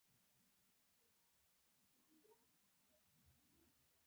انا د ودونو د خوښیو برخه وي